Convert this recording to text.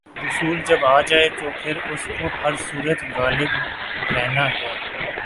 رسول جب آ جائے تو پھر اس کو ہر صورت غالب رہنا ہے۔